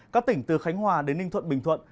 các tỉnh từ khánh hòa đến ninh thuận bình thuận